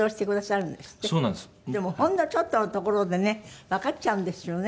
でもほんのちょっとのところでねわかっちゃうんですよね。